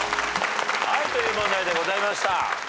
という問題でございました。